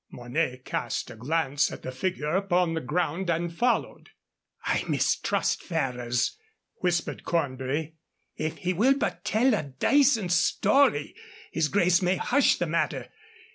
Mornay cast a glance at the figure upon the ground and followed. "I mistrust Ferrers," whispered Cornbury. "If he will but tell a dacent story, his grace may hush the matter.